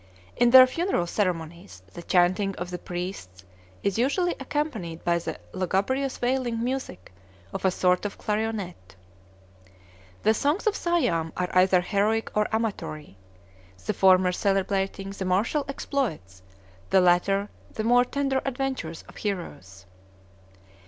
In their funeral ceremonies the chanting of the priests is usually accompanied by the lugubrious wailing music of a sort of clarionet. The songs of Siam are either heroic or amatory; the former celebrating the martial exploits, the latter the more tender adventures, of heroes.